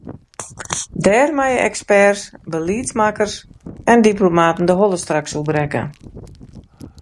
Dêr meie eksperts, beliedsmakkers en diplomaten de holle straks oer brekke.